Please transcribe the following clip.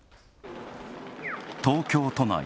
東京都内。